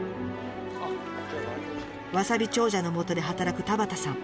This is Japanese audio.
わさび長者のもとで働く田端さん。